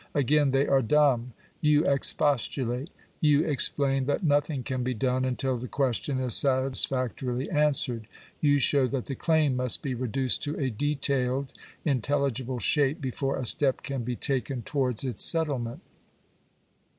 Again they are dumb. Tou expostulate. Tou explain that nothing can be done until the question is satisfactorily answered. You show that the claim must be re duced to a detailed, intelligible shape before a step can be taken Digitized by VjOOQIC POOR LAWS. 813 towards its settlement.